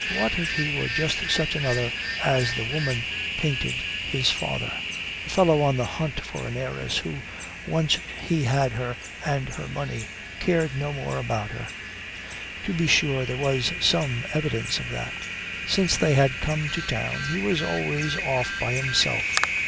What if he were just such another as the woman painted his father a fellow on the hunt for an heiress, who, once he had her and her money, cared no more about her? To be sure there was some evidence for that. Since they had come to town, he was always off by himself.